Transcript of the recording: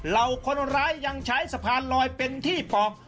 เหล่าคนร้ายยังใช้สะพานลอยเป็นที่ปอก